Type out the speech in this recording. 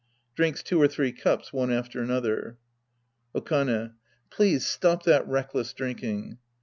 {Drinks two or three cups one after another!) , Okane. Please stop that reckless drinking.